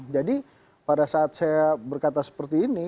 jadi pada saat saya berkata seperti ini